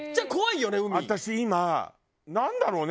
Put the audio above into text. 私今なんだろうね？